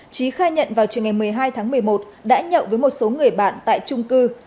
trí khai nhận vào trường ngày một mươi hai tháng một mươi một đã nhậu với một số người bạn tại trung cư